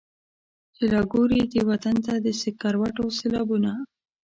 چي لا ګوري دې وطن ته د سکروټو سېلابونه.